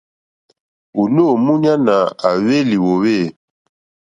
Ònô múɲánà à hwélì wòòwê.